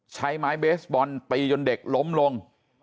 ใช้ไม้เบสบอลตีจนเด็กล้มลง